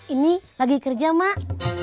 ini lagi kerja mak